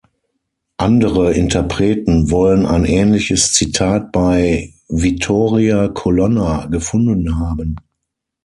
Andere Interpreten wollen ein ähnliches Zitat bei Vittoria Colonna gefunden haben.